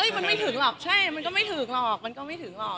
มันไม่ถึงหรอกใช่มันก็ไม่ถึงหรอกมันก็ไม่ถึงหรอก